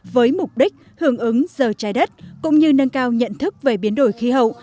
với mục đích hưởng ứng giờ trái đất cũng như nâng cao nhận thức về biến đổi khí hậu